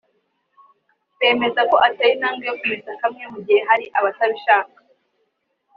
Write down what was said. bemeza ko ateye intambwe yo kumesa kamwe mu gihe hari abatabibasha